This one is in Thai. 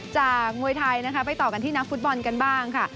มวยไทยนะคะไปต่อกันที่นักฟุตบอลกันบ้างค่ะ